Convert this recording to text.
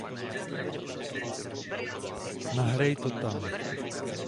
Nahrej to tam.